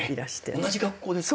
同じ学校ですか！？